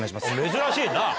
珍しいな！